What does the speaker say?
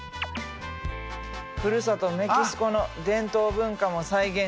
ふるさとメキシコの伝統文化も再現してんねん。